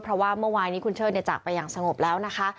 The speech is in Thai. เพราะว่าเมื่อวานนี้คุณเชิดจากไปอย่างสงบแล้วนะคะ